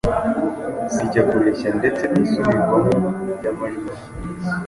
zijya kureshya ndetse n’isubirwamo ry’amajwi asa,